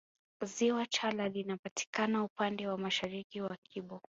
Ziwa chala linapatikana upande wa mashariki wa kibo